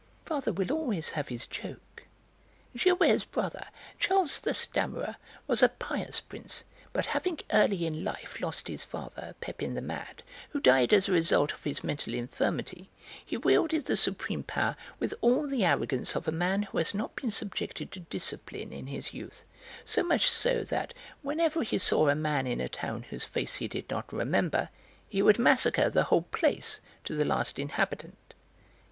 "Father will always have his joke." "Gilbert's brother, Charles the Stammerer, was a pious prince, but, having early in life lost his father, Pepin the Mad, who died as a result of his mental infirmity, he wielded the supreme power with all the arrogance of a man who has not been subjected to discipline in his youth, so much so that, whenever he saw a man in a town whose face he did not remember, he would massacre the whole place, to the last inhabitant.